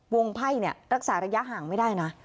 ไพ่รักษาระยะห่างไม่ได้นะ